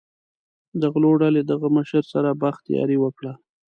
د غلو ډلې له دغه مشر سره بخت یاري وکړي.